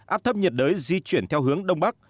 áp thấp nhiệt đới di chuyển theo hướng đông bắc